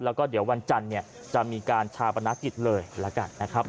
แล้วก็เดี๋ยววันจันทร์เนี่ยจะมีการชาปนกิจเลยแล้วกันนะครับ